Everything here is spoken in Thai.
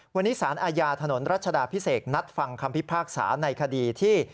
วันนี้สารอาญาถนนรัชดาพิเศษนัดฟังคำพิพากษาในคดีที่